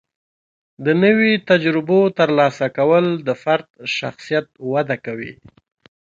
د نوي تجربو ترلاسه کول د فرد شخصیت وده کوي.